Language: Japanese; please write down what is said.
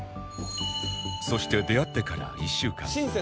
そして出会ってから１週間